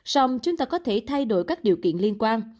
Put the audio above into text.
xong chúng ta có thể thay đổi các điều kiện liên quan